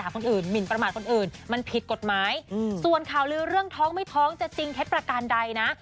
เขาก็ทนไม่ไหวเหมือนกันนะ